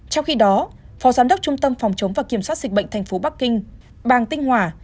trong khi đó phó giám đốc trung tâm phòng chống và kiểm soát dịch bệnh thành phố bắc kinh bàng tinh hỏa